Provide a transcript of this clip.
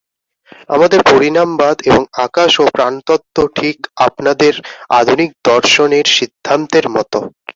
আমাদের পরিণামবাদ এবং আকাশ ও প্রাণতত্ত্ব ঠিক আপনাদের আধুনিক দর্শনের সিদ্ধান্তের মত।